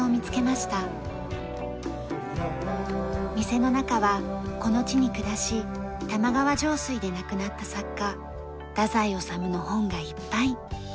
店の中はこの地に暮らし玉川上水で亡くなった作家太宰治の本がいっぱい。